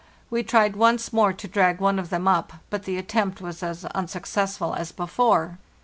We tried once more to drag one of them up, but the attempt was as unsuccessful as before.